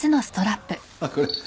あっこれ？